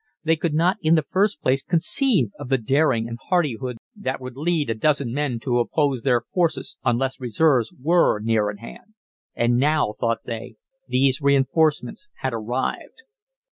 They could not in the first place conceive of the daring and hardihood that would lead a dozen men to oppose their forces unless reserves were near at hand. And now, thought they, these reinforcements had arrived.